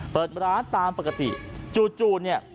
เปิดร้านตามปกติจู่เนี่ย